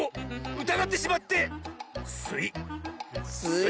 うたがってしまってすい！